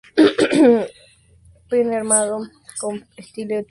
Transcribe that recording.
Pene armado con estilete tubular afilado.